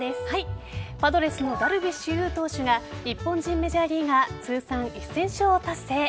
パドレスのダルビッシュ有投手が日本人メジャーリーガー通算１０００勝を達成。